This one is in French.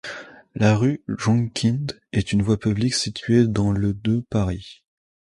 La rue Jongkind est une voie publique située dans le de Paris.